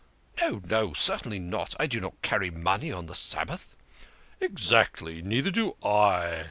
" No, no, certainly not. I do not carry money on the Sabbath." " Exactly. Neither do I."